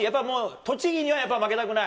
栃木にはやっぱ負けたくない？